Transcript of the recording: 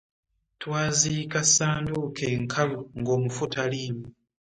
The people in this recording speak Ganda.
Twaziika ssanduuke nkalu ng'omufu taliimu.